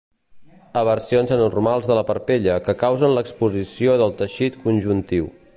Eversions anormals de la parpella que causen l'exposició del teixit conjuntiu.